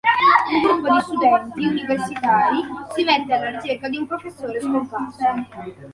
Un gruppo di studenti universitari si mette alla ricerca di un professore scomparso.